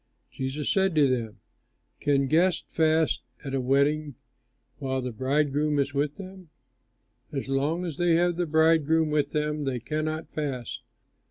Jesus said to them, "Can guests fast at a wedding while the bridegroom is with them? As long as they have the bridegroom with them they cannot fast.